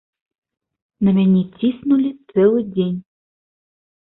На мяне ціснулі цэлы дзень.